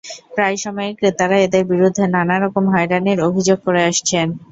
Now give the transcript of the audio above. প্রায় সময়ই ক্রেতারা এদের বিরুদ্ধে নানা রকম হয়রানির অভিযোগ করে আসছেন।